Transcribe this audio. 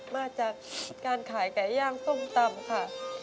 มาจากการขายไก่ย่างส้มตำค่ะ